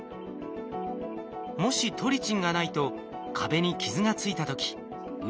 もしトリチンがないと壁に傷がついた時ウイルスが侵入。